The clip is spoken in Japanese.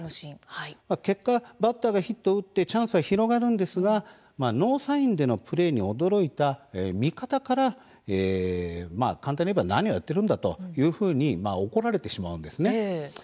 結果、バッターがヒットを打ってチャンスは広がるんですがノーサインでのプレーに驚いた味方から簡単に言えば何をやっているんだというふうに怒られてしまうんですね。